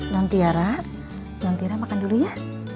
nantiara nantiara makan dulu ya